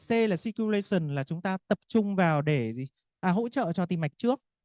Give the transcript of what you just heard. c là circulation là chúng ta tập trung vào để hỗ trợ cho tìm mạch trước